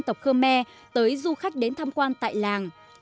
tộc khmer tới du khách đến thăm quan tại làng